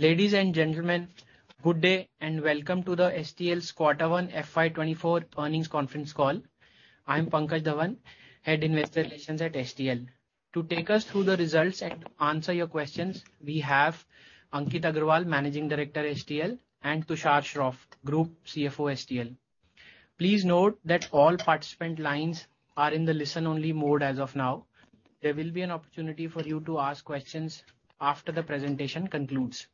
Ladies and gentlemen, good day, and welcome to the STL's Q1 FY 2024 Earnings Conference Call. I'm Pankaj Dhawan, Head Investor Relations at STL. To take us through the results and to answer your questions, we have Ankit Agarwal, Managing Director, STL, and Tushar Shroff, Group CFO, STL. Please note that all participant lines are in the listen-only mode as of now. There will be an opportunity for you to ask questions after the presentation concludes.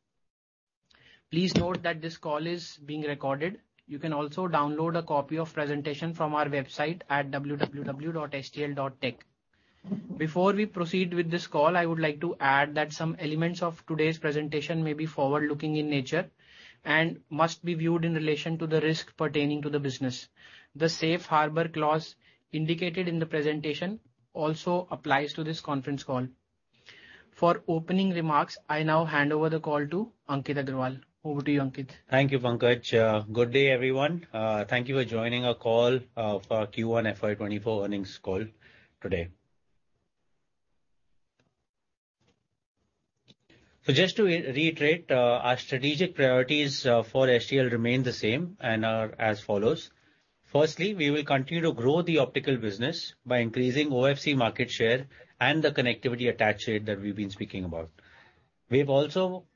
Please note that this call is being recorded. You can also download a copy of presentation from our website at www.stl.tech. Before we proceed with this call, I would like to add that some elements of today's presentation may be forward-looking in nature and must be viewed in relation to the risk pertaining to the business. The Safe Harbor clause indicated in the presentation also applies to this conference call. For opening remarks, I now hand over the call to Ankit Agarwal. Over to you, Ankit. Thank you, Pankaj. Good day, everyone. Thank you for joining our call for Q1 FY 2024 earnings call today. Just to reiterate, our strategic priorities for STL remain the same and are as follows, firstly, we will continue to grow the optical business by increasing OFC market share and the connectivity attach rate that we've been speaking about. We've also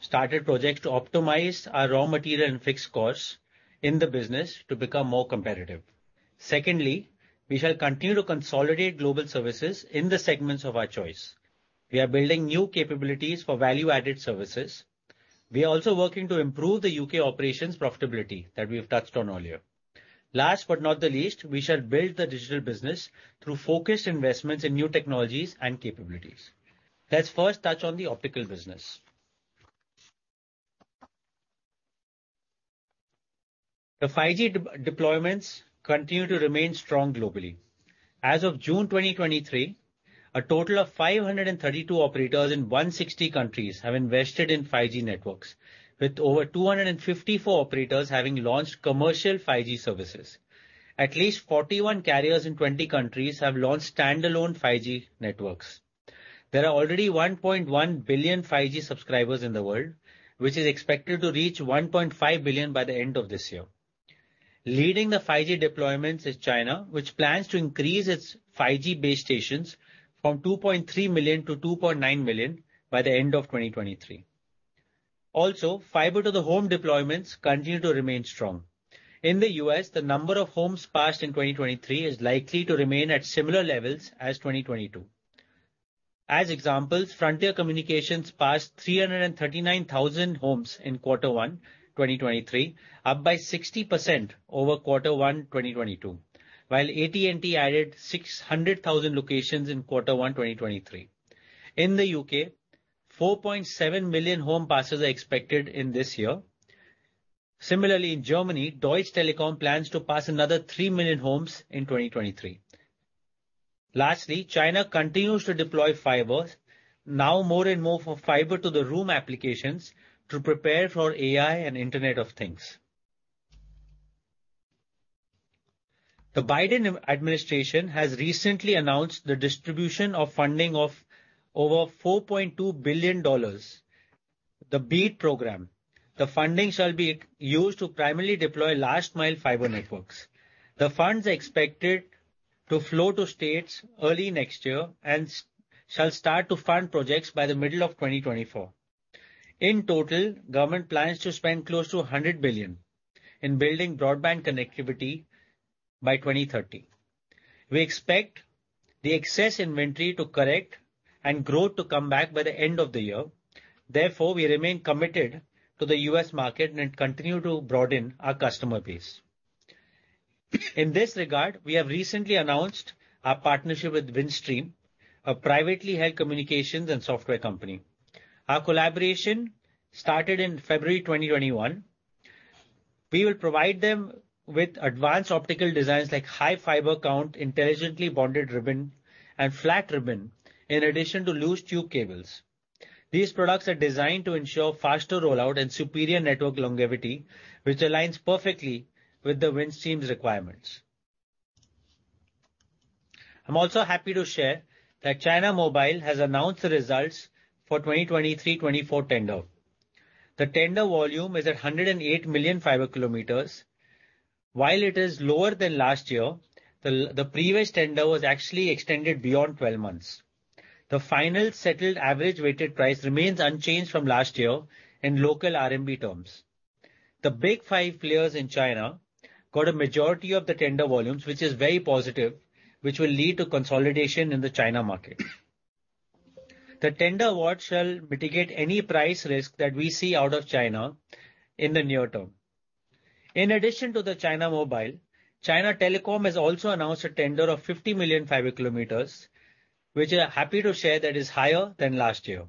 started projects to optimize our raw material and fixed costs in the business to become more competitive. Secondly, we shall continue to consolidate Global Services in the segments of our choice. We are building new capabilities for value-added services. We are also working to improve the UK operations profitability that we have touched on earlier. Last but not the least, we shall build the digital business through focused investments in new technologies and capabilities. Let's first touch on the optical business. The 5G deployments continue to remain strong globally. As of June 2023, a total of 532 operators in 160 countries have invested in 5G networks, with over 254 operators having launched commercial 5G services. At least 41 carriers in 20 countries have launched standalone 5G networks. There are already 1.1 billion 5G subscribers in the world, which is expected to reach 1.5 billion by the end of this year. Leading the 5G deployments is China, which plans to increase its 5G base stations from 2.3 million to 2.9 million by the end of 2023. Fiber to the Home deployments continue to remain strong. In the US, the number of homes passed in 2023 is likely to remain at similar levels as 2022. As examples, Frontier Communications passed 339,000 homes in Q1 2023, up by 60% over Q1 2022. AT&T added 600,000 locations in Q1 2023. In the UK, 4.7 million home passes are expected in this year. In Germany, Deutsche Telekom plans to pass another 3 million homes in 2023. China continues to deploy fiber, now more and more for Fiber to the Room applications to prepare for AI and Internet of Things. The Biden administration has recently announced the distribution of funding of over $4.2 billion, the BEAD program. The funding shall be used to primarily deploy last-mile fiber networks. The funds are expected to flow to states early next year and shall start to fund projects by the middle of 2024. In total, government plans to spend close to $100 billion in building broadband connectivity by 2030. We expect the excess inventory to correct and growth to come back by the end of the year. We remain committed to the US market and continue to broaden our customer base. In this regard, we have recently announced our partnership with Windstream, a privately held communications and software company. Our collaboration started in February 2021. We will provide them with advanced optical designs, like high fiber count, intelligently bonded ribbon and flat ribbon, in addition to loose tube cables. These products are designed to ensure faster rollout and superior network longevity, which aligns perfectly with Windstream's requirements. I'm also happy to share that China Mobile has announced the results for 2023, 2024 tender. The tender volume is at 108 million fiber kilometers. While it is lower than last year, the previous tender was actually extended beyond 12 months. The final settled average weighted price remains unchanged from last year in local RMB terms. The Big Five players in China got a majority of the tender volumes, which is very positive, which will lead to consolidation in the China market. The tender award shall mitigate any price risk that we see out of China in the near term. In addition to the China Mobile, China Telecom has also announced a tender of 50 million fiber kilometers, which I'm happy to share that is higher than last year.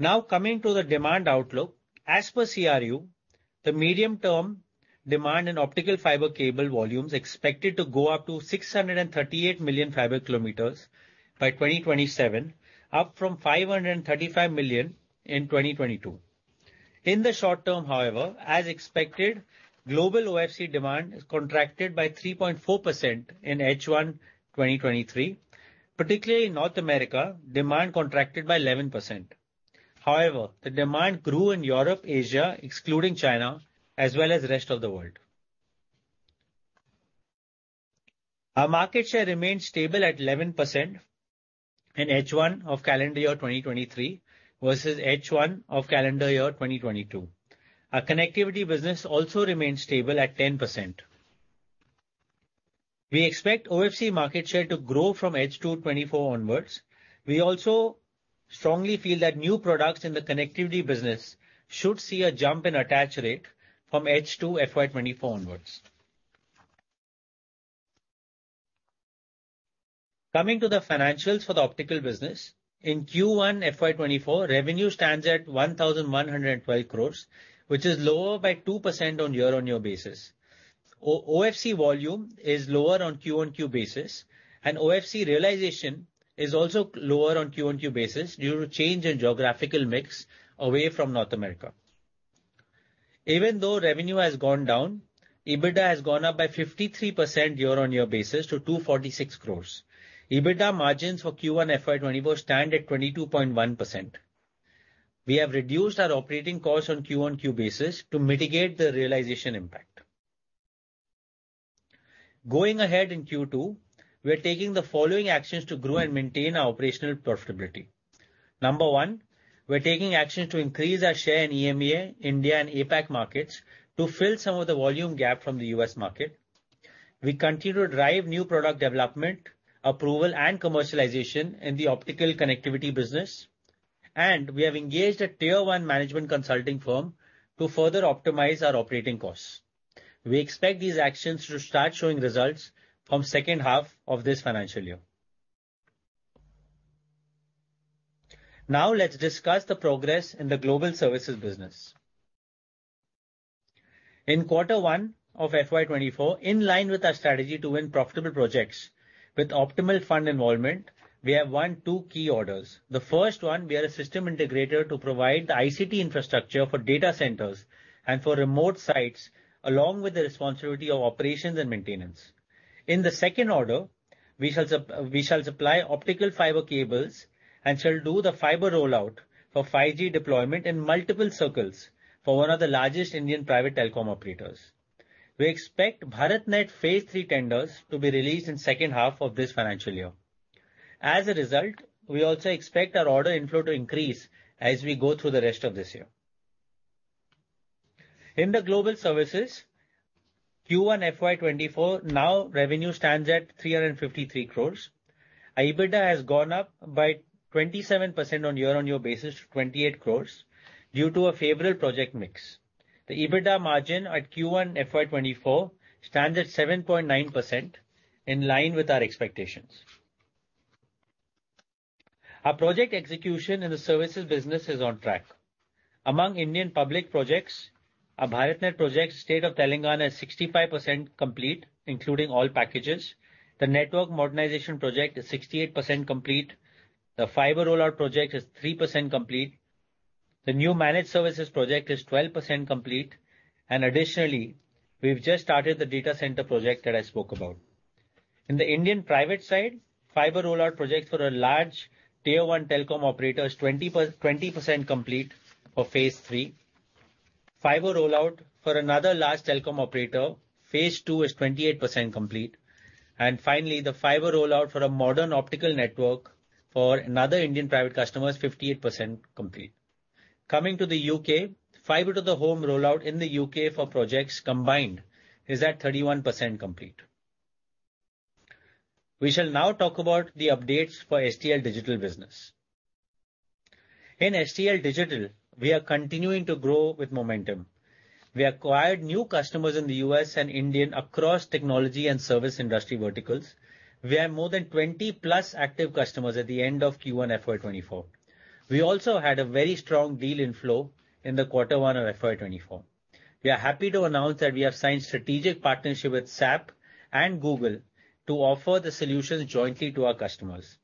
Coming to the demand outlook. As per CRU, the medium-term demand in optical fiber cable volumes expected to go up to 638 million fiber kilometers by 2027, up from 535 million in 2022. In the short term, however, as expected, global OFC demand is contracted by 3.4% in H1, 2023. Particularly in North America, demand contracted by 11%. The demand grew in Europe, Asia, excluding China, as well as the rest of the world. Our market share remained stable at 11% in H1 of calendar year 2023, versus H1 of calendar year 2022. Our connectivity business also remains stable at 10%. We expect OFC market share to grow from H2 2024 onwards. We also strongly feel that new products in the connectivity business should see a jump in attach rate from H2 FY 2024 onwards. Coming to the financials for the optical business. In Q1 FY 2024, revenue stands at 1,112 crores, which is lower by 2% on year-on-year basis. OFC volume is lower on Q-on-Q basis, and OFC realization is also lower on Q-on-Q basis due to change in geographical mix away from North America. Even though revenue has gone down, EBITDA has gone up by 53% year-over-year basis to 246 crores. EBITDA margins for Q1 FY 2024 stand at 22.1%. We have reduced our operating costs on Q-on-Q basis to mitigate the realization impact. Going ahead in Q2, we are taking the following actions to grow and maintain our operational profitability. Number one, we are taking actions to increase our share in EMEA, India and APAC markets, to fill some of the volume gap from the US market. We continue to drive new product development, approval, and commercialization in the optical connectivity business, and we have engaged a Tier 1 management consulting firm to further optimize our operating costs. We expect these actions to start showing results from H2 of this financial year. Now, let's discuss the progress in the Global Services Business. In Q1 of FY 24, in line with our strategy to win profitable projects with optimal fund involvement, we have won two key orders. The first one, we are a system integrator to provide the ICT infrastructure for data centers and for remote sites, along with the responsibility of operations and maintenance. In the second order, we shall supply optical fiber cables and shall do the fiber rollout for 5G deployment in multiple circles, for one of the largest Indian private telecom operators. We expect BharatNet phase III tenders to be released in H2 of this financial year. As a result, we also expect our order inflow to increase as we go through the rest of this year. In the global services, Q1 FY24, revenue stands at 353 crores. Our EBITDA has gone up by 27% on year-on-year basis to 28 crores, due to a favorable project mix. The EBITDA margin at Q1 FY24 stands at 7.9%, in line with our expectations. Our project execution in the services business is on track. Among Indian public projects, our BharatNet project, State of Telangana, is 65% complete, including all packages. The network modernization project is 68% complete. The fiber rollout project is 3% complete. The new managed services project is 12% complete. Additionally, we've just started the data center project that I spoke about. In the Indian private side, fiber rollout project for a large Tier 1 telecom operator is 20% complete for phase III. Fiber rollout for another large telecom operator, phase two is 28% complete. Finally, the fiber rollout for a modern optical network for another Indian private customer is 58% complete. Coming to the UK, Fiber to the Home rollout in the UK for projects combined is at 31% complete. We shall now talk about the updates for STL Digital business. In STL Digital, we are continuing to grow with momentum. We acquired new customers in the US and Indian, across technology and service industry verticals. We have more than 20+ active customers at the end of Q1 FY 2024. We also had a very strong deal in flow in the Q1 of FY 2024. We are happy to announce that we have signed strategic partnership with SAP and Google to offer the solutions jointly to our customers.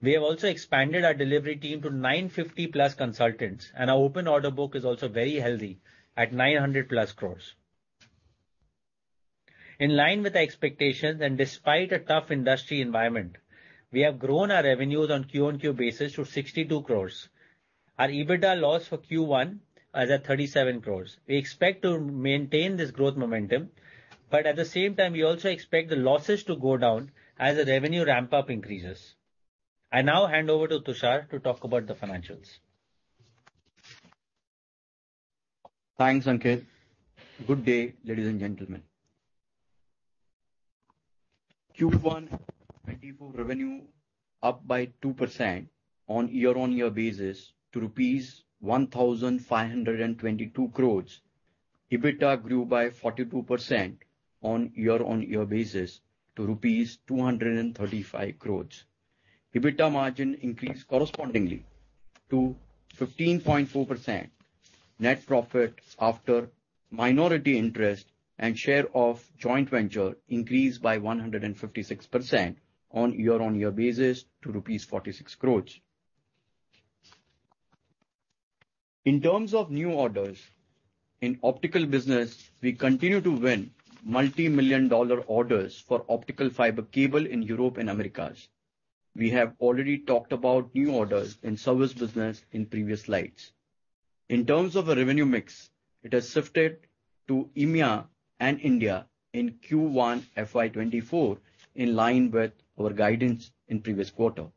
We have also expanded our delivery team to 950+ consultants. Our open order book is also very healthy at 900+ crores. In line with the expectations and despite a tough industry environment, we have grown our revenues on quarter-over-quarter basis to 62 crores. Our EBITDA loss for Q1 are at 37 crores. We expect to maintain this growth momentum, at the same time, we also expect the losses to go down as the revenue ramp-up increases. I now hand over to Tushar to talk about the financials. Thanks, Ankit. Good day, ladies and gentlemen. Q1 2024 revenue, up by 2% on year-on-year basis to rupees 1,522 crores. EBITDA grew by 42% on year-on-year basis to rupees 235 crores. EBITDA margin increased correspondingly to 15.4%. Net profit after minority interest and share of joint venture increased by 156% on year-on-year basis to rupees 46 crores. In terms of new orders, in optical business, we continue to win multimillion dollar orders for optical fiber cable in Europe and Americas. We have already talked about new orders in service business in previous slides. In terms of the revenue mix, it has shifted to EMEA and India in Q1 FY 2024, in line with our guidance in previous quarter.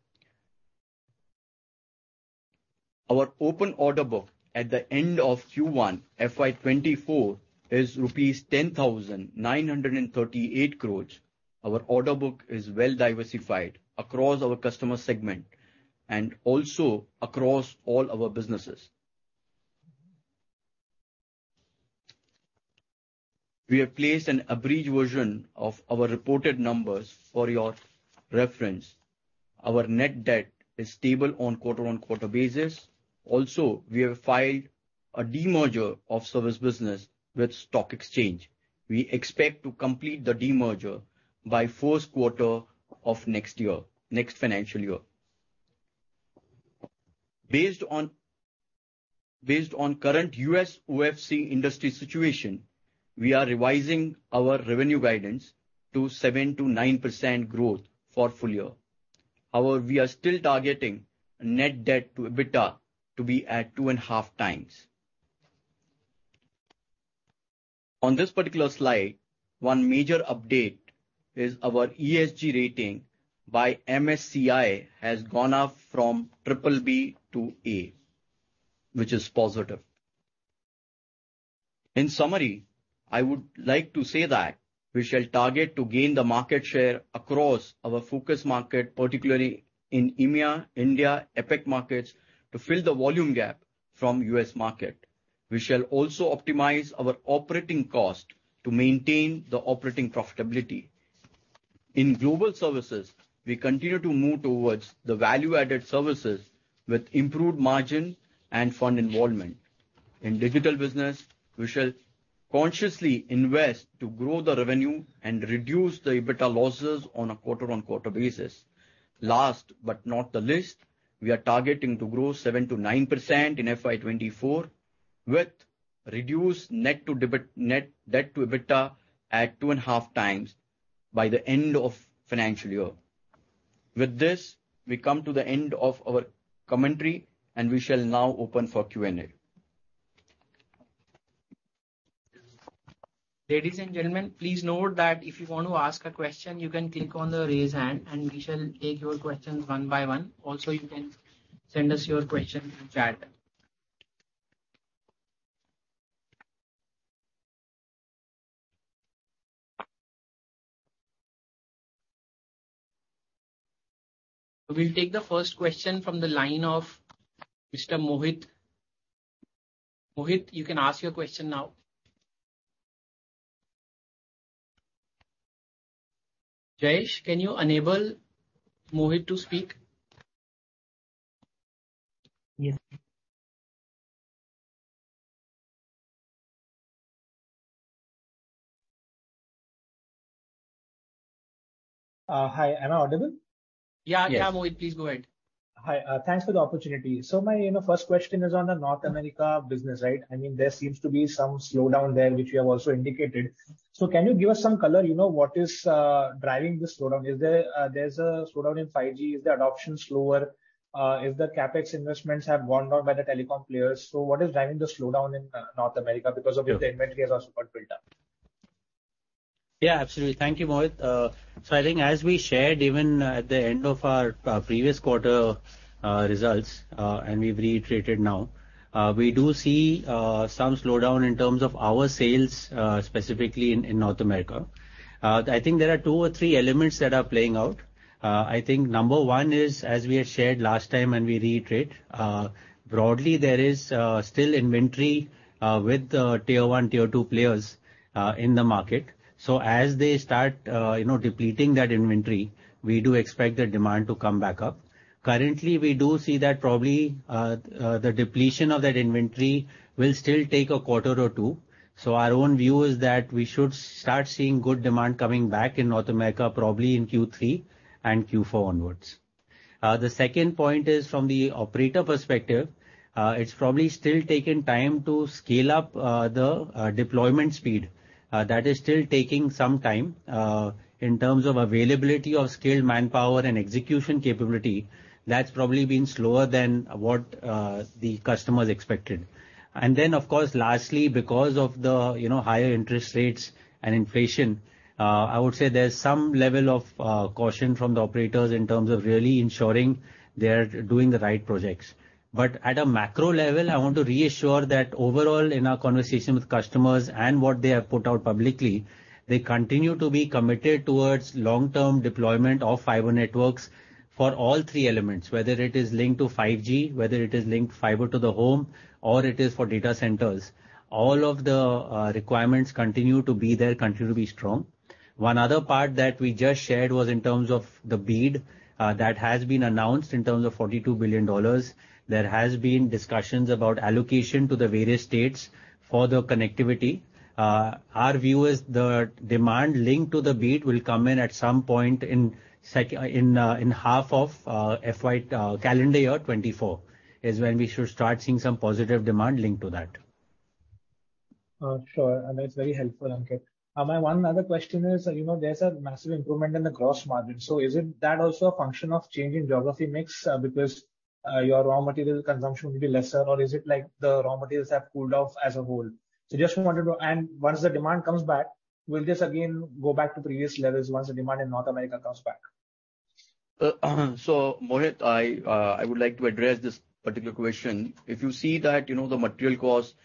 Our open order book at the end of Q1 FY2024 is INR 10,938 crores. Our order book is well diversified across our customer segment and also across all our businesses. We have placed an abridged version of our reported numbers for your reference. Our net debt is stable on quarter-on-quarter basis. We have filed a demerger of Service Business with stock exchange. We expect to complete the demerger by Q1 of next financial year. Based on current US OFC industry situation, we are revising our revenue guidance to 7%-9% growth for full year. We are still targeting net debt to EBITDA to be at 2.5x. On this particular slide, one major update is our ESG rating by MSCI has gone up from BBB to A, which is positive. In summary, I would like to say that we shall target to gain the market share across our focus market, particularly in EMEA, India, APAC markets, to fill the volume gap from US market. We shall also optimize our operating cost to maintain the operating profitability. In Global Services, we continue to move towards the value-added services with improved margin and fund involvement. In Digital Business, we shall consciously invest to grow the revenue and reduce the EBITDA losses on a quarter-on-quarter basis. Last but not the least, we are targeting to grow 7%-9% in FY 2024, with reduced net debt to EBITDA at 2.5x by the end of financial year. With this, we come to the end of our commentary. We shall now open for Q&A. Ladies and gentlemen, please note that if you want to ask a question, you can click on the Raise Hand, and we shall take your questions one by one. You can send us your question in chat. We'll take the first question from the line of Mr. Mohit. Mohit, you can ask your question now. Jayesh, can you enable Mohit to speak? Hi, am I audible? Yeah. Yeah, Mohit, please go ahead. Hi, thanks for the opportunity. My, you know, first question is on the North America business, right? I mean, there seems to be some slowdown there, which you have also indicated. Can you give us some color, you know, what is driving this slowdown? There's a slowdown in 5G? Is the adoption slower? If the CapEx investments have gone down by the telecom players, what is driving the slowdown in North America because of the inventory has also got built up? Yeah, absolutely. Thank you, Mohit. I think as we shared, even at the end of our previous quarter results, and we've reiterated now, we do see some slowdown in terms of our sales, specifically in North America. I think there are two or three elements that are playing out. I think number one is, as we had shared last time, and we reiterate, broadly, there is still inventory with the Tier 1, Tier 2 players in the market. As they start, you know, depleting that inventory, we do expect the demand to come back up. Currently, we do see that probably the depletion of that inventory will still take a quarter or two. Our own view is that we should start seeing good demand coming back in North America, probably in Q3 and Q4 onwards. The second point is from the operator perspective, it's probably still taking time to scale up the deployment speed. That is still taking some time. In terms of availability of skilled manpower and execution capability, that's probably been slower than what the customers expected. Then, of course, lastly, because of the, you know, higher interest rates and inflation, I would say there's some level of caution from the operators in terms of really ensuring they're doing the right projects. At a macro level, I want to reassure that overall, in our conversation with customers and what they have put out publicly, they continue to be committed towards long-term deployment of fiber networks for all three elements, whether it is linked to 5G, whether it is linked fiber to the home, or it is for data centers. All of the requirements continue to be there, continue to be strong. One other part that we just shared was in terms of the bid that has been announced in terms of $42 billion. There has been discussions about allocation to the various states for the connectivity. Our view is the demand linked to the bid will come in at some point in half of calendar year 2024, is when we should start seeing some positive demand linked to that. Sure, that's very helpful, Ankit. My one other question is, you know, there's a massive improvement in the gross margin, so is it that also a function of change in geography mix, because your raw material consumption will be lesser, or is it like the raw materials have cooled off as a whole? Just wanted to know. Once the demand comes back, will this again go back to previous levels once the demand in North America comes back? Mohit, I would like to address this particular question. If you see that the material cost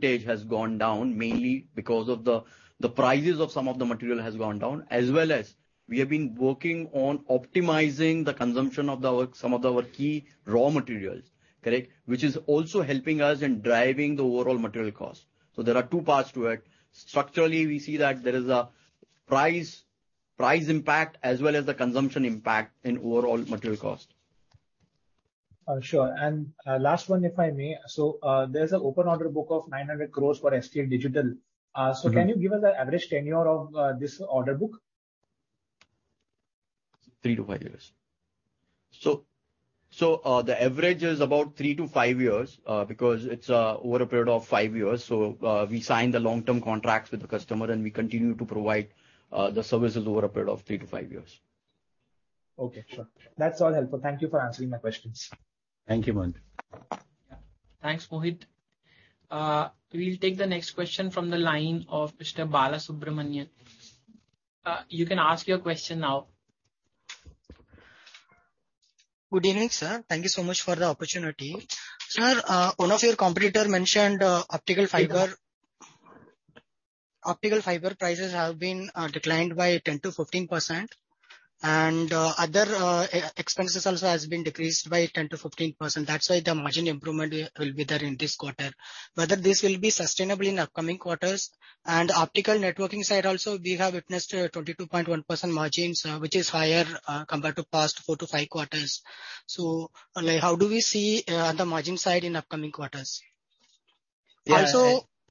% has gone down, mainly because of the prices of some of the material has gone down, as well as we have been working on optimizing the consumption of some of our key raw materials, correct? Which is also helping us in driving the overall material cost. There are two parts to it. Structurally, we see that there is a price impact as well as the consumption impact in overall material cost. Sure. Last one, if I may. There's an open order book of 900 crores for STL Digital. Can you give us the average tenure of this order book? Three to five years. The average is about three to five years, because it's over a period of five years. We sign the long-term contracts with the customer, and we continue to provide the services over a period of three to five years. Okay, sure. That's all helpful. Thank you for answering my questions. Thank you, Mohit. Yeah. Thanks, Mohit. We'll take the next question from the line of Mr. Bala Subramanian. You can ask your question now. Good evening, sir. Thank you so much for the opportunity. Sir, one of your competitor mentioned, Optical fiber prices have been declined by 10%-15%, and other expenses also has been decreased by 10%-15%. That's why the margin improvement will be there in this quarter. Whether this will be sustainable in upcoming quarters? Optical networking side also, we have witnessed 22.1% margins, which is higher compared to past four to five quarters. How do we see the margin side in upcoming quarters?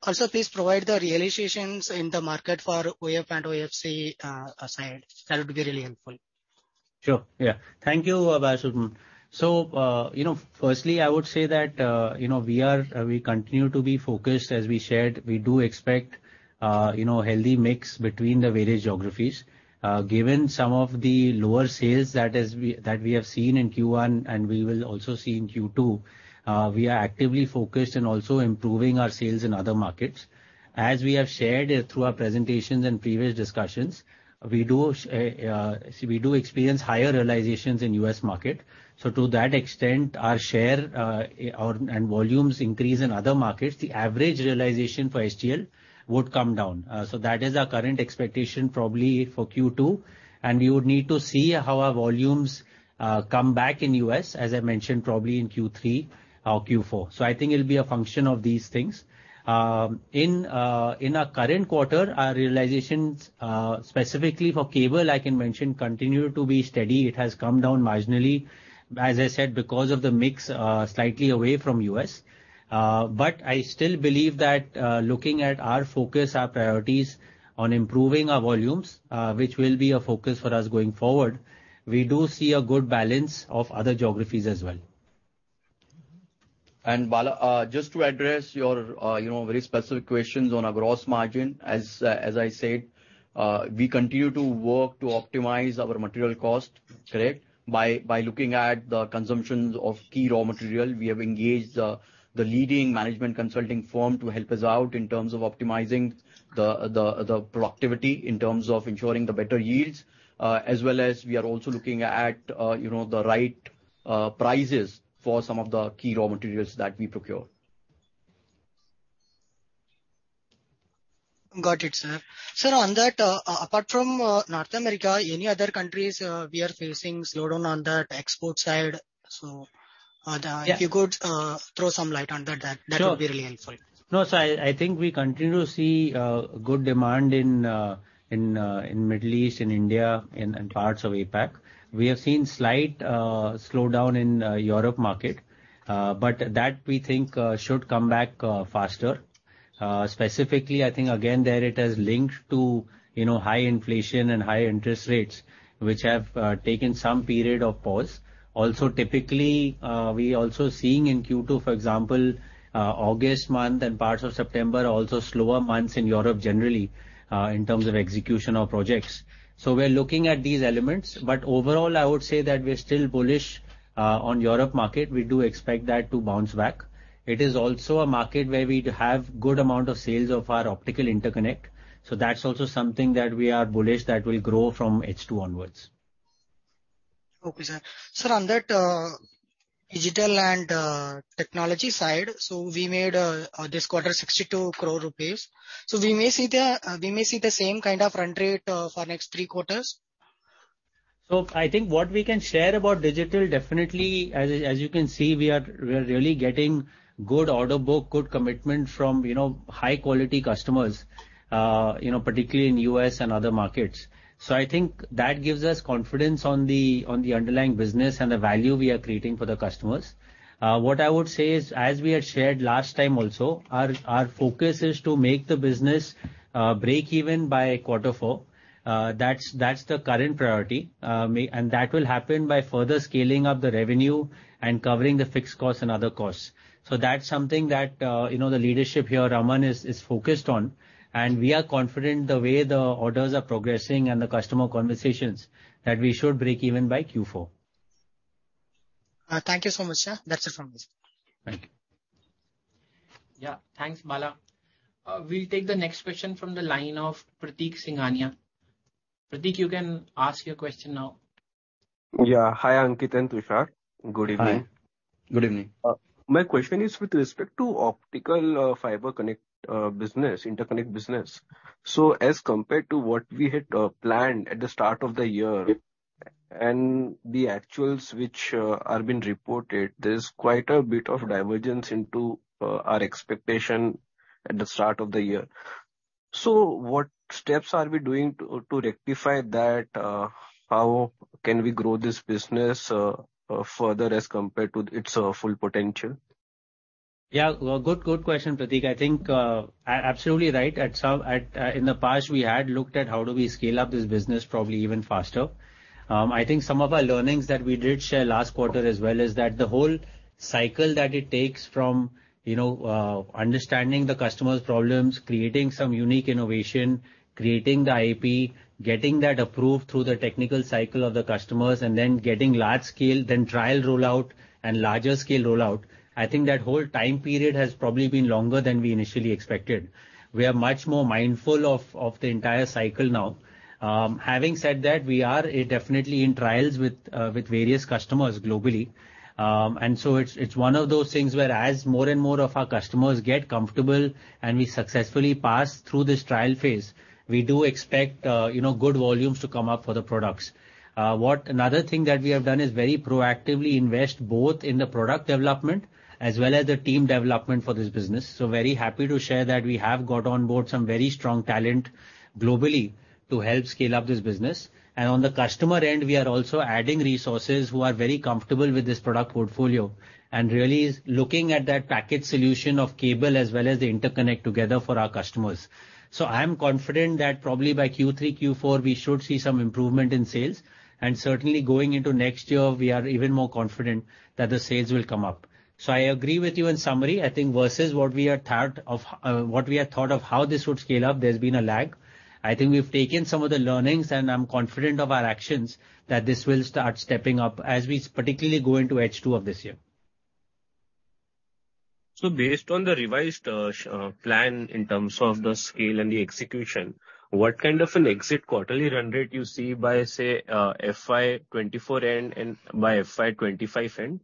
Yeah. Please provide the realizations in the market for OF and OFC, aside. That would be really helpful. Sure, yeah. Thank you, Bala Subramanian. You know, firstly, I would say that, you know, we are, we continue to be focused. As we shared, we do expect, you know, healthy mix between the various geographies. Given some of the lower sales that we have seen in Q1, and we will also see in Q2, we are actively focused in also improving our sales in other markets. As we have shared through our presentations and previous discussions, we do experience higher realizations in US market. To that extent, our share, or, and volumes increase in other markets, the average realization for STL would come down. That is our current expectation, probably for Q2, and we would need to see how our volumes come back in US, as I mentioned, probably in Q3 or Q4. I think it'll be a function of these things. In our current quarter, our realizations specifically for cable, I can mention, continue to be steady. It has come down marginally, as I said, because of the mix slightly away from US but I still believe that looking at our focus, our priorities on improving our volumes which will be a focus for us going forward, we do see a good balance of other geographies as well. Bala, just to address your, you know, very specific questions on our gross margin, as I said, we continue to work to optimize our material cost, correct? By looking at the consumptions of key raw material, we have engaged the leading management consulting firm to help us out in terms of optimizing the productivity, in terms of ensuring the better yields. As well as we are also looking at, you know, the right prices for some of the key raw materials that we procure. Got it, sir. Sir, on that, apart from North America, any other countries, we are facing slowdown on that export side? Yeah. If you could, throw some light on that. Sure. That would be really helpful. I think we continue to see good demand in Middle East, in India, in parts of APAC. We have seen slight slowdown in Europe market, that we think should come back faster. Specifically, I think again, there it is linked to, you know, high inflation and high interest rates, which have taken some period of pause. Also, typically, we also seeing in Q2, for example, August month and parts of September, are also slower months in Europe generally, in terms of execution of projects. We're looking at these elements, but overall, I would say that we're still bullish on Europe market. We do expect that to bounce back. It is also a market where we have good amount of sales of our optical interconnect, so that's also something that we are bullish that will grow from H2 onwards. Okay, sir. Sir, on that, digital and technology side, we made this quarter 62 crore rupees. We may see the same kind of run rate for next three quarters? I think what we can share about digital, definitely, as you can see, we are really getting good order book, good commitment from, you know, high quality customers, you know, particularly in US and other markets. I think that gives us confidence on the underlying business and the value we are creating for the customers. What I would say is, as we had shared last time also, our focus is to make the business break even by Q4. That's the current priority. And that will happen by further scaling up the revenue and covering the fixed costs and other costs. That's something that, you know, the leadership here, Raman, is focused on, and we are confident the way the orders are progressing and the customer conversations, that we should break even by Q4. Thank you so much, sir. That's it from me. Thank you. Yeah. Thanks, Bala. We'll take the next question from the line of Pratik Singhania. Pratik, you can ask your question now. Yeah. Hi, Ankit and Tushar. Good evening. Hi. Good evening. My question is with respect to optical fiber connect, interconnect business. As compared to what we had planned at the start of the year, and the actuals which are being reported, there's quite a bit of divergence into our expectation at the start of the year. What steps are we doing to rectify that? How can we grow this business further as compared to its full potential? Yeah, good question, Pratik. I think absolutely right. At some, in the past, we had looked at how do we scale up this business probably even faster. I think some of our learnings that we did share last quarter as well, is that the whole cycle that it takes from, you know, understanding the customer's problems, creating some unique innovation, creating the IP, getting that approved through the technical cycle of the customers, and then getting large scale, then trial rollout and larger scale rollout, I think that whole time period has probably been longer than we initially expected. We are much more mindful of the entire cycle now. Having said that, we are definitely in trials with various customers globally. It's one of those things where as more and more of our customers get comfortable and we successfully pass through this trial phase, we do expect, you know, good volumes to come up for the products. Another thing that we have done is very proactively invest both in the product development as well as the team development for this business. Very happy to share that we have got on board some very strong talent globally to help scale up this business. On the customer end, we are also adding resources who are very comfortable with this product portfolio, and really is looking at that package solution of cable as well as the interconnect together for our customers. I am confident that probably by Q3, Q4, we should see some improvement in sales. Certainly going into next year, we are even more confident that the sales will come up. I agree with you in summary, I think versus what we had thought of how this would scale up, there's been a lag. I think we've taken some of the learnings, and I'm confident of our actions, that this will start stepping up as we particularly go into H2 of this year. Based on the revised plan in terms of the scale and the execution, what kind of an exit quarterly run rate you see by, say, FY 2024 end and by FY 2025 end?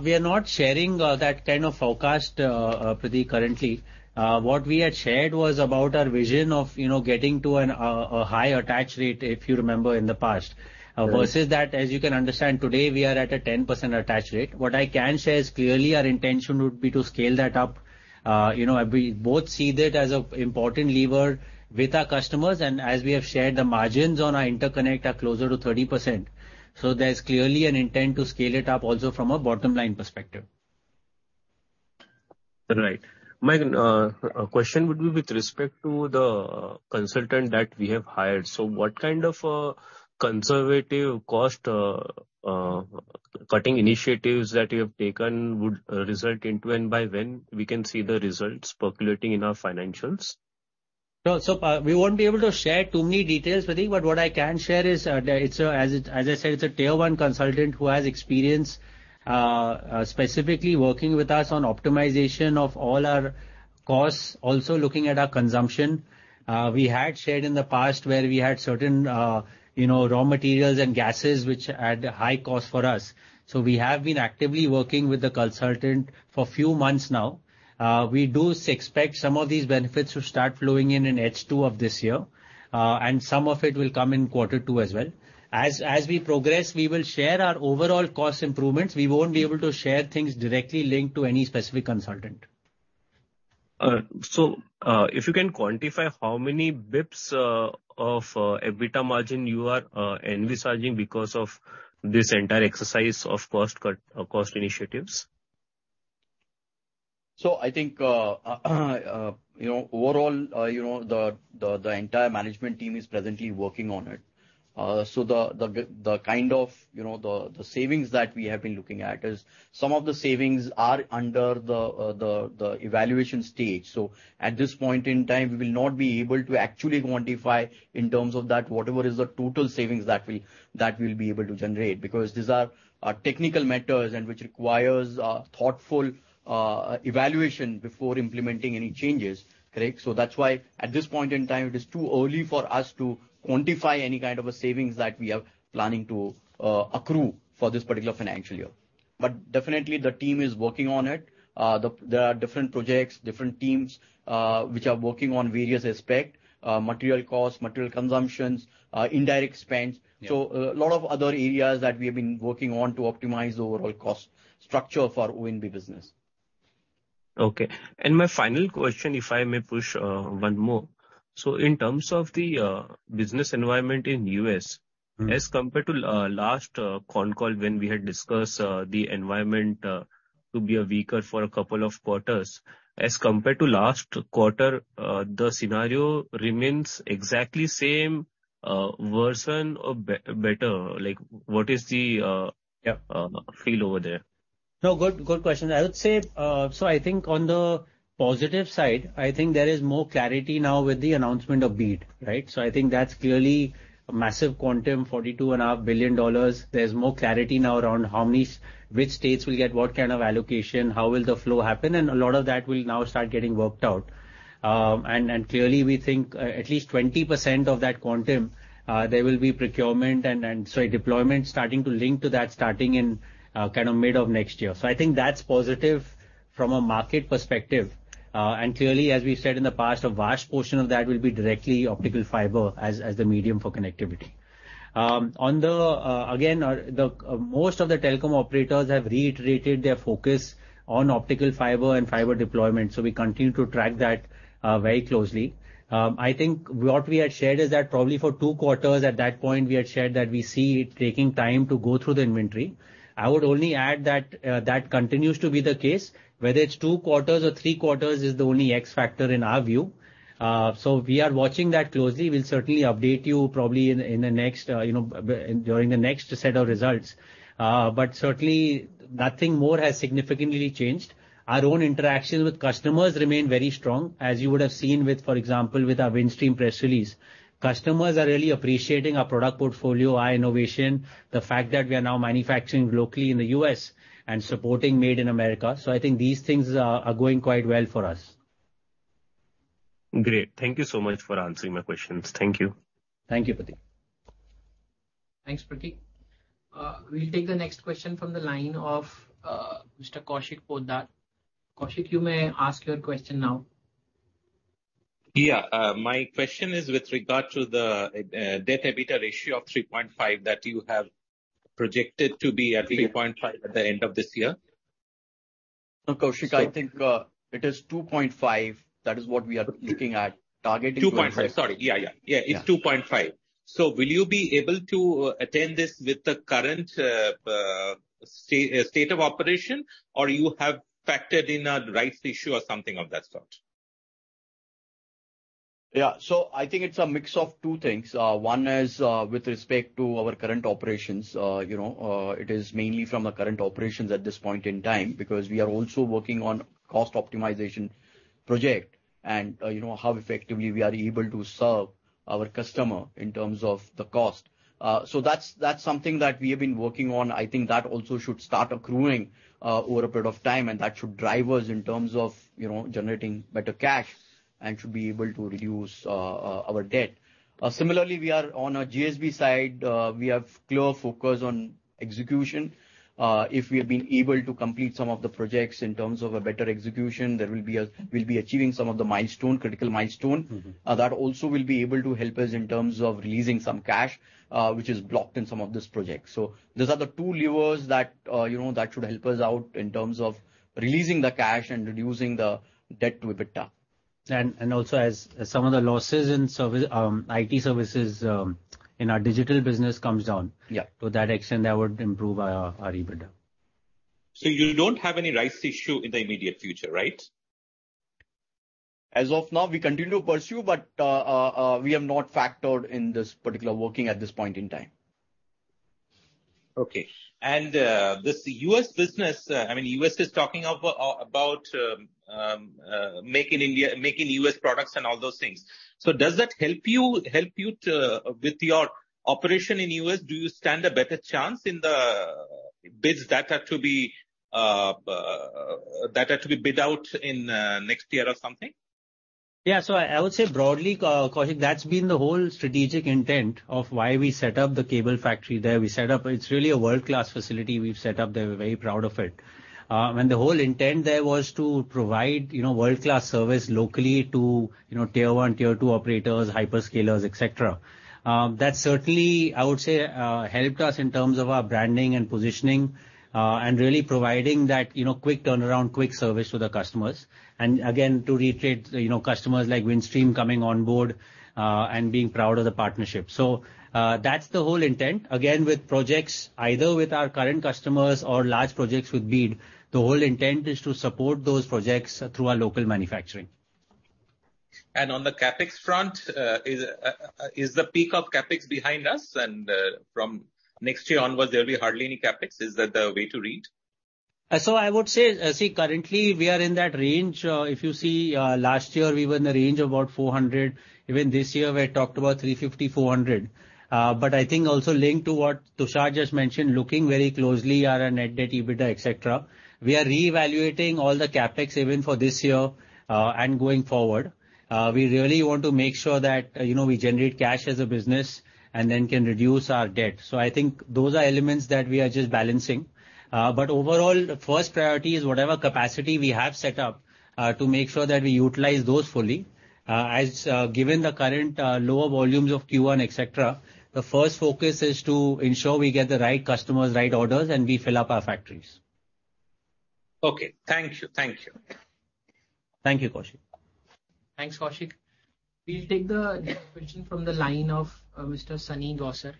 We are not sharing that kind of forecast, Pratik, currently. What we had shared was about our vision of, you know, getting to a high attach rate, if you remember, in the past. Right. Versus that, as you can understand, today, we are at a 10% attach rate. What I can share is clearly our intention would be to scale that up. You know, we both see that as a important lever with our customers, and as we have shared, the margins on our interconnect are closer to 30%. There's clearly an intent to scale it up also from a bottom line perspective. Right. My question would be with respect to the consultant that we have hired. What kind of a conservative cost cutting initiatives that you have taken would result into and by when we can see the results percolating in our financials? We won't be able to share too many details, Pratik, but what I can share is that As I said, it's a Tier 1 consultant who has experience specifically working with us on optimization of all our costs, also looking at our consumption. We had shared in the past where we had certain, you know, raw materials and gases, which had high cost for us. We have been actively working with the consultant for few months now. We do expect some of these benefits to start flowing in H2 of this year, and some of it will come in quarter two as well. As we progress, we will share our overall cost improvements. We won't be able to share things directly linked to any specific consultant. If you can quantify how many bips of EBITDA margin you are envisaging because of this entire exercise of cost cut, cost initiatives? I think, you know, overall, you know, the entire management team is presently working on it. The kind of, you know, the savings that we have been looking at is some of the savings are under the evaluation stage. At this point in time, we will not be able to actually quantify in terms of that, whatever is the total savings that we, that we'll be able to generate. Because these are technical matters and which requires thoughtful evaluation before implementing any changes, correct? That's why, at this point in time, it is too early for us to quantify any kind of a savings that we are planning to accrue for this particular financial year. Definitely the team is working on it. There are different projects, different teams, which are working on various aspect, material cost, material consumptions, indirect spends. A lot of other areas that we have been working on to optimize the overall cost structure for O&B business. Okay. My final question, if I may push, one more. In terms of the business environment in US As compared to last concall, when we had discussed the environment to be a weaker for 2 quarters, as compared to last quarter, the scenario remains exactly the same, worse or better? Like, what is the. Yeah. Feel over there? Good question. I would say, I think on the positive side, there is more clarity now with the announcement of BEAD. I think that's clearly a massive quantum, $42.5 billion. There's more clarity now around which states will get what kind of allocation, how will the flow happen, and a lot of that will now start getting worked out. Clearly, we think, at least 20% of that quantum, there will be procurement and deployment starting to link to that, starting in kind of mid of next year. I think that's positive from a market perspective. Clearly, as we've said in the past, a vast portion of that will be directly optical fiber as the medium for connectivity. On the again, most of the telecom operators have reiterated their focus on optical fiber and fiber deployment, so we continue to track that very closely. I think what we had shared is that probably for two quarters at that point, we had shared that we see it taking time to go through the inventory. I would only add that that continues to be the case. Whether it's two quarters or three quarters is the only X factor in our view. We are watching that closely. We'll certainly update you probably in the next, you know, during the next set of results. Certainly nothing more has significantly changed. Our own interactions with customers remain very strong, as you would have seen with, for example, with our Windstream press release. Customers are really appreciating our product portfolio, our innovation, the fact that we are now manufacturing locally in the US and supporting Made in America. I think these things are going quite well for us. Great. Thank you so much for answering my questions. Thank you. Thank you, Pratik. Thanks, Pratik. We'll take the next question from the line of Mr. Kaushik Poddar. Kaushik, you may ask your question now. My question is with regard to the debt-EBITDA ratio of 3.5 that you have projected to be at 3.5 at the end of this year. No, Kaushik, I think, it is 2.5. That is what we are looking at targeting. 2.5. Sorry. Yeah, yeah. Yeah, it's 2.5. Will you be able to attain this with the current state of operation, or you have factored in a rights issue or something of that sort? Yeah. I think it's a mix of two things. One is with respect to our current operations. You know, it is mainly from the current operations at this point in time, because we are also working on cost optimization project and, you know, how effectively we are able to serve our customer in terms of the cost. That's, that's something that we have been working on. I think that also should start accruing over a period of time, and that should drive us in terms of, you know, generating better cash and should be able to reduce our debt. Similarly, we are on our GSB side, we have clear focus on execution. If we have been able to complete some of the projects in terms of a better execution, we'll be achieving some of the milestone, critical milestone. That also will be able to help us in terms of releasing some cash, which is blocked in some of this project. Those are the two levers that, you know, that should help us out in terms of releasing the cash and reducing the net debt to EBITDA. Also as some of the losses in service, IT services, in our digital business comes down. Yeah. To that extent, that would improve our EBITDA. You don't have any rights issue in the immediate future, right? As of now, we continue to pursue, but we have not factored in this particular working at this point in time. Okay. This US business, I mean, US is talking of, about, making India, making US products and all those things. Does that help you to, with your operation in US, do you stand a better chance in the bids that are to be bid out in next year or something? Yeah. I would say broadly, Kaushik, that's been the whole strategic intent of why we set up the cable factory there. It's really a world-class facility we've set up there. We're very proud of it. and the whole intent there was to provide, you know, world-class service locally to, you know, Tier 1, Tier 2 operators, hyperscalers, et cetera. That certainly, I would say, helped us in terms of our branding and positioning, and really providing that, you know, quick turnaround, quick service to the customers. Again, to reiterate, you know, customers like Windstream coming on board, and being proud of the partnership. That's the whole intent. Again, with projects, either with our current customers or large projects with BEAD, the whole intent is to support those projects through our local manufacturing. On the CapEx front, is the peak of CapEx behind us? From next year onwards, there will be hardly any CapEx. Is that the way to read? I would say, see, currently we are in that range. If you see, last year, we were in the range of about 400. Even this year, we had talked about 350, 400. But I think also linked to what Tushar just mentioned, looking very closely at our net debt, EBITDA, et cetera, we are reevaluating all the CapEx even for this year and going forward. We really want to make sure that, you know, we generate cash as a business and then can reduce our debt. I think those are elements that we are just balancing. But overall, the first priority is whatever capacity we have set up to make sure that we utilize those fully. Given the current lower volumes of Q1, et cetera, the first focus is to ensure we get the right customers, right orders, and we fill up our factories. Okay. Thank you. Thank you. Thank you, Kaushik. Thanks, Kaushik. We'll take the next question from the line of Mr. Sunny Gosar.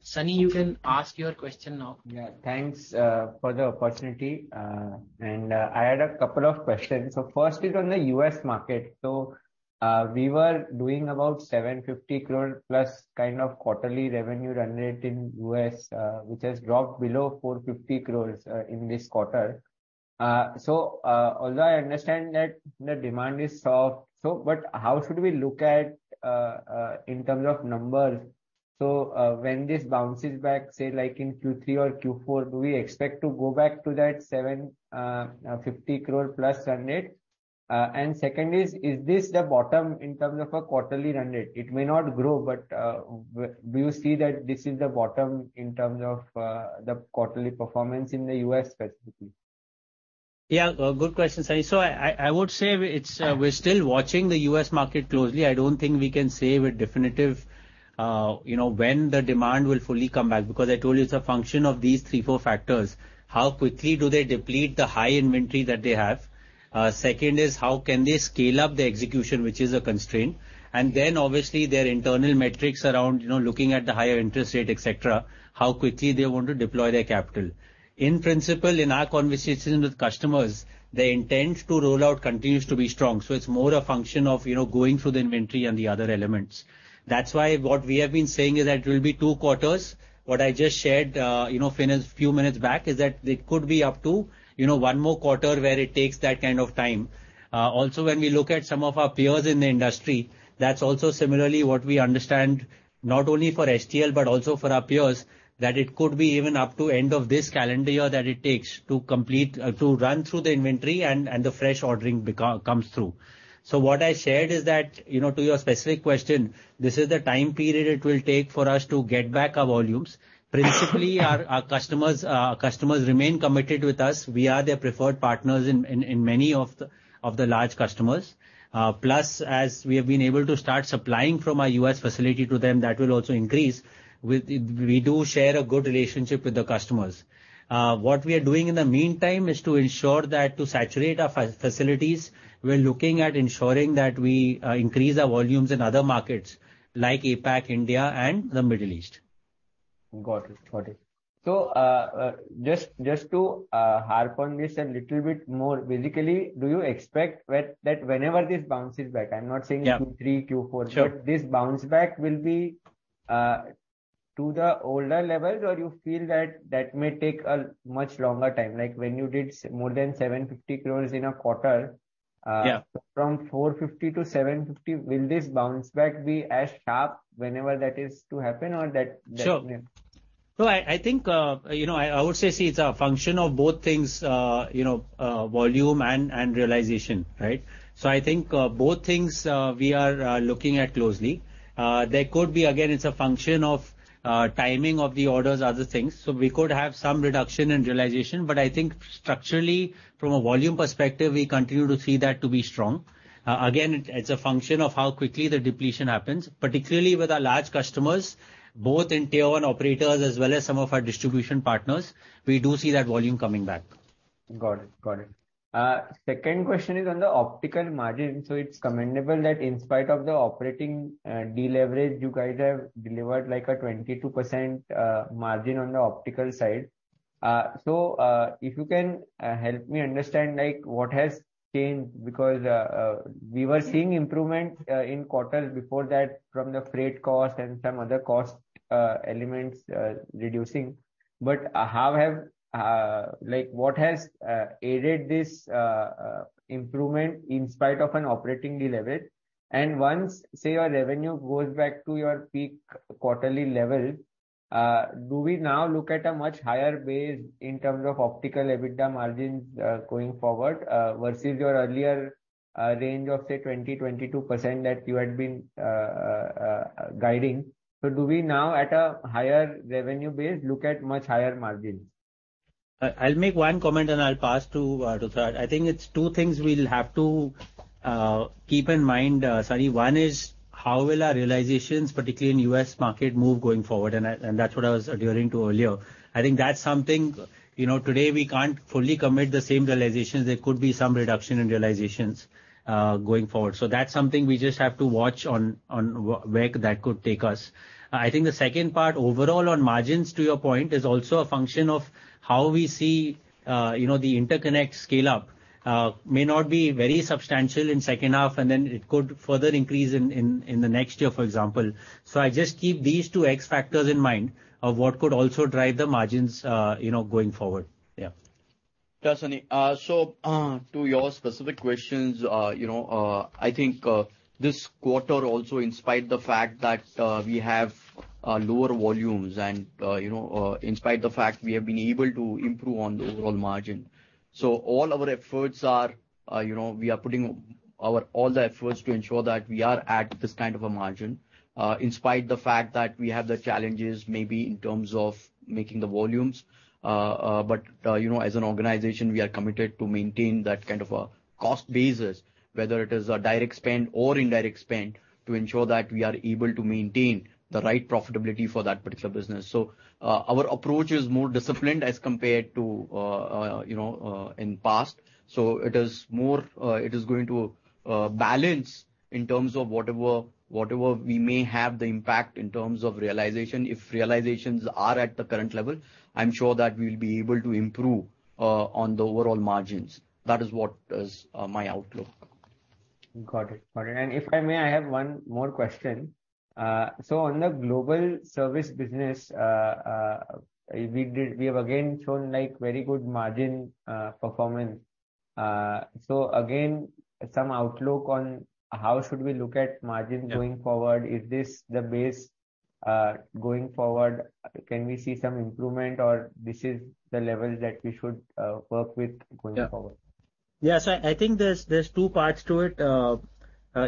Sunny, you can ask your question now. Yeah. Thanks for the opportunity. I had a couple of questions. First is on the US market. We were doing about 750 crore plus kind of quarterly revenue run rate in US, which has dropped below 450 crores in this quarter. Although I understand that the demand is soft, but how should we look at in terms of numbers? When this bounces back, say, like in Q3 or Q4, do we expect to go back to that 750 crore plus run rate? Second is this the bottom in terms of a quarterly run rate? It may not grow, but do you see that this is the bottom in terms of the quarterly performance in the US, specifically? Good question, Sunny. I would say it's, we're still watching the US market closely. I don't think we can say with definitive, you know, when the demand will fully come back, because I told you, it's a function of these three, four factors. How quickly do they deplete the high inventory that they have? Second is, how can they scale up their execution, which is a constraint, and then obviously their internal metrics around, you know, looking at the higher interest rate, et cetera, how quickly they want to deploy their capital. In principle, in our conversations with customers, the intent to roll out continues to be strong, so it's more a function of, you know, going through the inventory and the other elements. That's why what we have been saying is that it will be two quarters. What I just shared, you know, few minutes back, is that it could be up to, you know, one more quarter where it takes that kind of time. Also, when we look at some of our peers in the industry, that's also similarly what we understand, not only for STL, but also for our peers, that it could be even up to end of this calendar year, that it takes to complete to run through the inventory and the fresh ordering comes through. What I shared is that, you know, to your specific question, this is the time period it will take for us to get back our volumes. Principally, our customers remain committed with us. We are their preferred partners in many of the large customers. As we have been able to start supplying from our US facility to them, that will also increase. We do share a good relationship with the customers. What we are doing in the meantime is to ensure that, to saturate our facilities, we're looking at ensuring that we increase our volumes in other markets, like APAC, India and the Middle East. Got it. Just to harp on this a little bit more, basically, do you expect when, that whenever this bounces back, I'm not saying. Yeah. Q3, Q4. Sure. This bounce back will be to the older levels, or you feel that that may take a much longer time, like when you did more than 750 crores in a quarter. Yeah. From 450-750, will this bounce back be as sharp whenever that is to happen, or that? Sure. I think, you know, I would say, see, it's a function of both things, you know, volume and realization, right? I think both things we are looking at closely. There could be, again, it's a function of timing of the orders, other things. We could have some reduction in realization, but I think structurally, from a volume perspective, we continue to see that to be strong. Again, it's a function of how quickly the depletion happens, particularly with our large customers, both in Tier 1 operators as well as some of our distribution partners, we do see that volume coming back. Got it. Got it. Second question is on the optical margin. It's commendable that in spite of the operating deleverage, you guys have delivered, like a 22% margin on the optical side. If you can help me understand, like, what has changed? We were seeing improvements in quarters before that from the freight cost and some other cost elements reducing. How have, like, what has aided this improvement in spite of an operating deleverage? Once, say, your revenue goes back to your peak quarterly level, do we now look at a much higher base in terms of optical EBITDA margins going forward versus your earlier range of, say, 20%-22% that you had been guiding? Do we now, at a higher revenue base, look at much higher margins? I'll make one comment, and I'll pass to Tushar. I think it's two things we'll have to keep in mind, Sunny. One is, how will our realizations, particularly in US market, move going forward? That's what I was alluding to earlier. I think that's something, you know, today, we can't fully commit the same realizations. There could be some reduction in realizations going forward. That's something we just have to watch on where that could take us. I think the second part, overall, on margins, to your point, is also a function of how we see, you know, the interconnect scale up. May not be very substantial in H2, then it could further increase in, in the next year, for example. I just keep these two X factors in mind of what could also drive the margins, you know, going forward. Yeah. Sunny. To your specific questions, you know, I think this quarter also, in spite the fact that we have lower volumes and, you know, in spite the fact we have been able to improve on the overall margin. All our efforts are, you know, we are putting our all the efforts to ensure that we are at this kind of a margin, in spite the fact that we have the challenges maybe in terms of making the volumes. You know, as an organization, we are committed to maintain that kind of a cost basis, whether it is a direct spend or indirect spend, to ensure that we are able to maintain the right profitability for that particular business. Our approach is more disciplined as compared to, you know, in past. It is going to balance in terms of whatever we may have the impact in terms of realization. If realizations are at the current level, I'm sure that we'll be able to improve on the overall margins. That is what is my outlook. Got it. Got it. If I may, I have one more question. On the Global Services Business, we have again shown, like, very good margin performance. Again, some outlook on how should we look at margin. Yeah. Going forward? Is this the base going forward? Can we see some improvement, or this is the level that we should work with? Yeah. Going forward? Yes, I think there's two parts to it.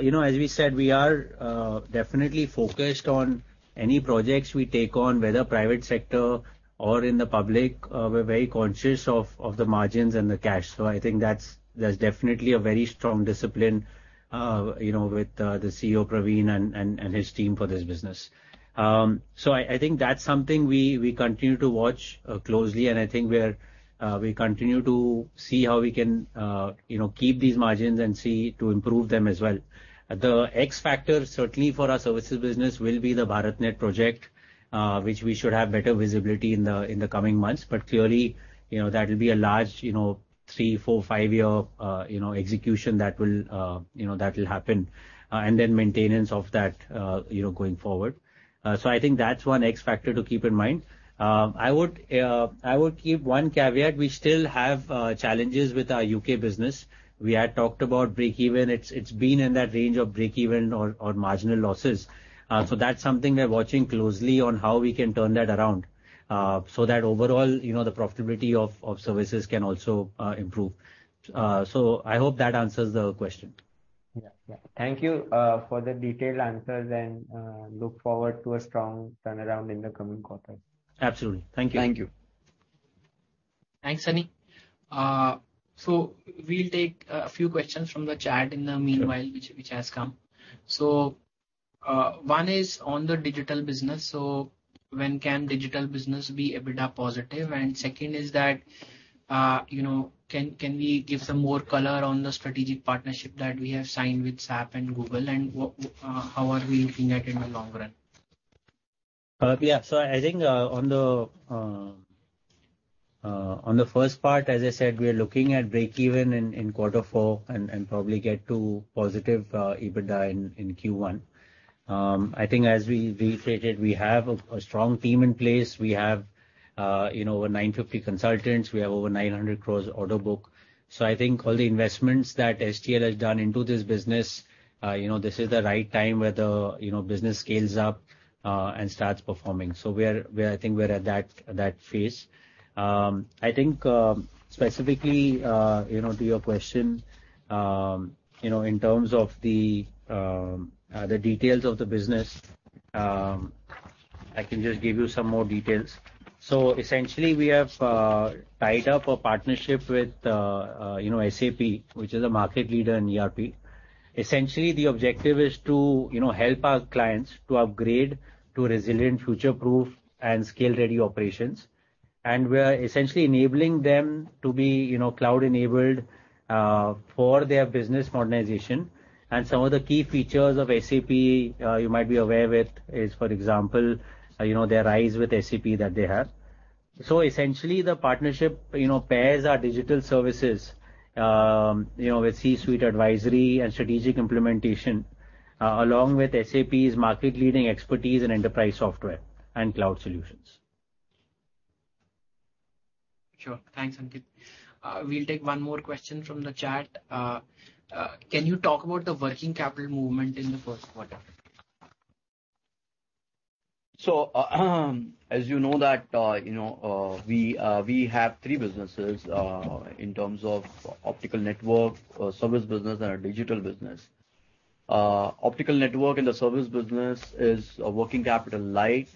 You know, as we said, we are definitely focused on any projects we take on, whether private sector or in the public, we're very conscious of the margins and the cash. I think there's definitely a very strong discipline, you know, with CEO Praveen and his team for this business. I think that's something we continue to watch closely. I think we continue to see how we can, you know, keep these margins and see to improve them as well. The X factor, certainly for our services business, will be the BharatNet project, which we should have better visibility in the coming months. Clearly, you know, that will be a large, you know, three, four, five year, you know, execution that will, you know, that will happen, and then maintenance of that, you know, going forward. I think that's one X factor to keep in mind. I would, I would keep one caveat. We still have challenges with our UK business. We had talked about breakeven. It's been in that range of breakeven or marginal losses. That's something we're watching closely on how we can turn that around, that overall, you know, the profitability of services can also improve. I hope that answers the question. Yeah. Yeah. Thank you for the detailed answers, look forward to a strong turnaround in the coming quarters. Absolutely. Thank you. Thank you. Thanks, Sunny. We'll take a few questions from the chat in the meanwhile. Sure. which has come. One is on the digital business, When can digital business be EBITDA positive? Second is that, you know, can we give some more color on the strategic partnership that we have signed with SAP and Google, and what, how are we looking at it in the long run? Yeah. I think on the first part, as I said, we are looking at breakeven in Q4 and probably get to positive EBITDA in Q1. I think as we reiterated, we have a strong team in place. We have, you know, over 950 consultants. We have over 900 crores order book. I think all the investments that HCL has done into this business, you know, this is the right time where the, you know, business scales up and starts performing. We are, I think we're at that phase. I think specifically, you know, to your question, you know, in terms of the details of the business, I can just give you some more details. Essentially, we have tied up a partnership with, you know, SAP, which is a market leader in ERP. Essentially, the objective is to, you know, help our clients to upgrade to resilient future-proof and scale-ready operations. We are essentially enabling them to be, you know, cloud-enabled for their business modernization. Some of the key features of SAP, you might be aware with is, for example, you know, their RISE with SAP that they have. Essentially, the partnership, you know, pairs our digital services, you know, with C-suite advisory and strategic implementation along with SAP's market-leading expertise in enterprise software and cloud solutions. Sure. Thanks, Ankit. We'll take one more question from the chat. Can you talk about the working capital movement in the Q1? As you know that, you know, we have three businesses in terms of optical network, service business, and our digital business. Optical network and the service business is working capital light,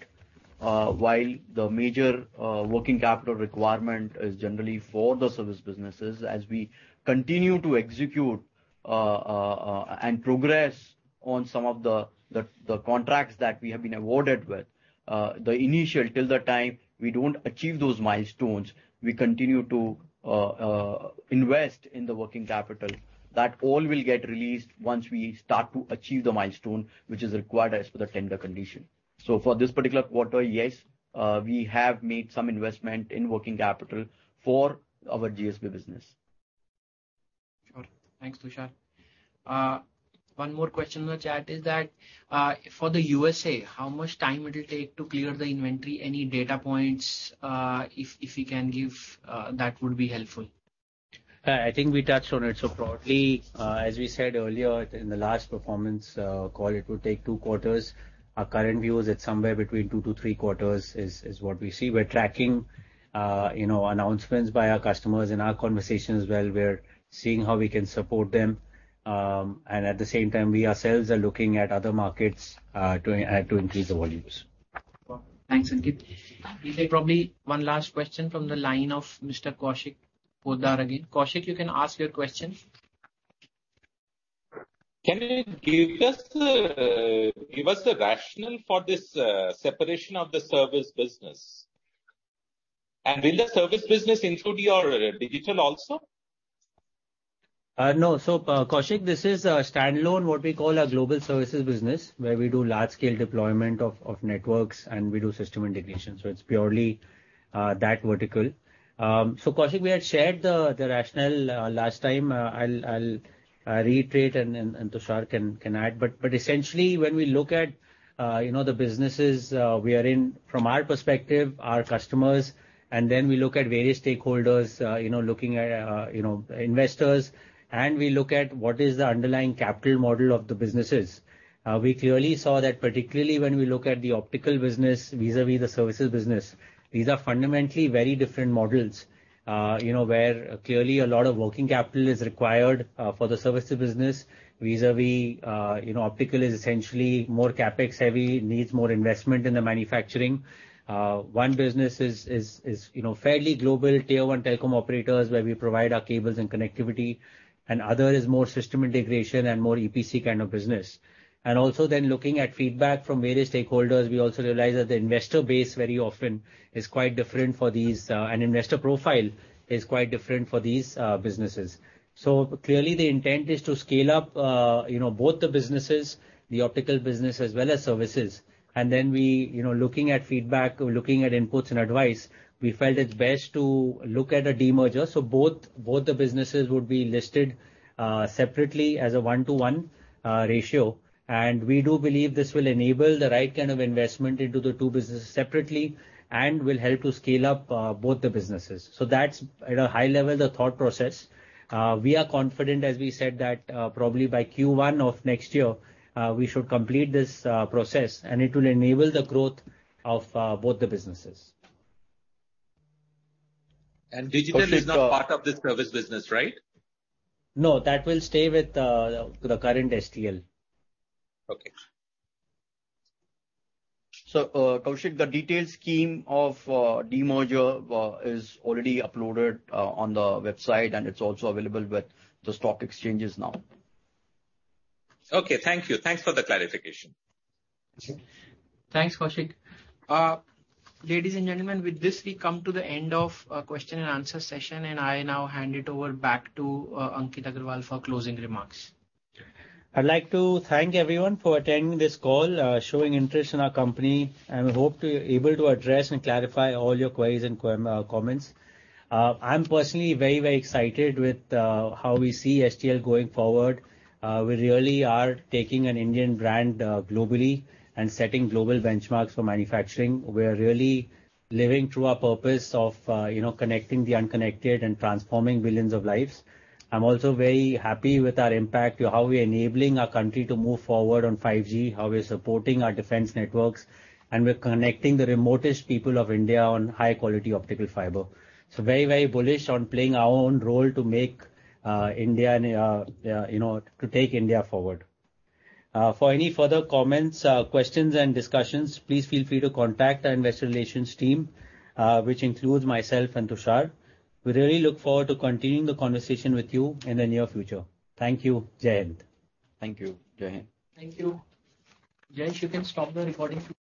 while the major working capital requirement is generally for the service businesses. As we continue to execute and progress on some of the contracts that we have been awarded with, the initial, till the time we don't achieve those milestones, we continue to invest in the working capital. That all will get released once we start to achieve the milestone, which is required as per the tender condition. For this particular quarter, yes, we have made some investment in working capital for our GSV business. Sure. Thanks, Tushar. One more question in the chat is that, for the USA, how much time it will take to clear the inventory? Any data points, if you can give, that would be helpful. I think we touched on it. Broadly, as we said earlier in the last performance call, it will take two quarters. Our current view is it's somewhere between two to three quarters, is what we see. We're tracking, you know, announcements by our customers. In our conversations well, we're seeing how we can support them. At the same time, we ourselves are looking at other markets to increase the volumes. Thanks, Ankit. We take probably one last question from the line of Mr. Kaushik Poddar again. Kaushik, you can ask your question. Can you give us the rationale for this separation of the Service Business? Will the Service Business include your Digital also? No. Kaushik, this is a standalone, what we call our Global Services Business, where we do large-scale deployment of networks, and we do system integration, it's purely that vertical. Kaushik, we had shared the rationale last time. I'll reiterate and Tushar can add. Essentially, when we look at, you know, the businesses we are in, from our perspective, our customers, and then we look at various stakeholders, you know, looking at, you know, investors, and we look at what is the underlying capital model of the businesses. We clearly saw that, particularly when we look at the optical business, vis-à-vis the services business, these are fundamentally very different models. you know, where clearly a lot of working capital is required for the services business, vis-à-vis, you know, optical is essentially more CapEx heavy, needs more investment in the manufacturing. One business is, you know, fairly global, Tier 1 telecom operators, where we provide our cables and connectivity, and other is more system integration and more EPC kind of business. Also then looking at feedback from various stakeholders, we also realize that the investor base very often is quite different for these. Investor profile is quite different for these businesses. Clearly the intent is to scale up, you know, both the businesses, the optical business as well as services. Then we, you know, looking at feedback, looking at inputs and advice, we felt it's best to look at a demerger. Both the businesses would be listed separately as a one-to-one ratio. We do believe this will enable the right kind of investment into the two businesses separately, and will help to scale up both the businesses. That's at a high level, the thought process. We are confident, as we said, that probably by Q1 of next year, we should complete this process, and it will enable the growth of both the businesses. Digital is now part of this service business, right? No, that will stay with the current STL. Okay. Kaushik, the detailed scheme of demerger is already uploaded on the website, and it's also available with the stock exchanges now. Okay, thank you. Thanks for the clarification. Thanks, Kaushik. Ladies and gentlemen, with this, we come to the end of question and answer session. I now hand it over back to Ankit Agarwal for closing remarks. I'd like to thank everyone for attending this call, showing interest in our company, and we hope to able to address and clarify all your queries and comments. I'm personally very, very excited with how we see STL going forward. We really are taking an Indian brand globally and setting global benchmarks for manufacturing. We are really living through our purpose of, you know, connecting the unconnected and transforming billions of lives. I'm also very happy with our impact to how we're enabling our country to move forward on 5G, how we're supporting our defense networks, and we're connecting the remotest people of India on high-quality optical fiber. Very, very bullish on playing our own role to make India, and, you know, to take India forward. For any further comments, questions and discussions, please feel free to contact our investor relations team, which includes myself and Tushar. We really look forward to continuing the conversation with you in the near future. Thank you. Jai Hind! Thank you. Jai Hind! Thank you. Jayesh, you can stop the recording please.